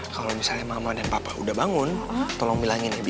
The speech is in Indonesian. kalau misalnya mama dan papa udah bangun tolong bilangin ibu